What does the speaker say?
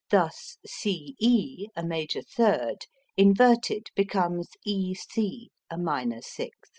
Thus C E, a major third, inverted becomes E C, a minor sixth.